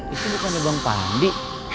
itu bukannya bang pandi